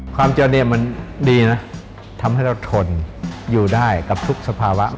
ความเจริญเนี่ยมันดีนะทำให้เราทนอยู่ได้กับทุกสภาวะ